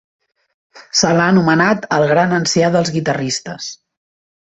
Se l'ha anomenat el "gran ancià dels guitarristes".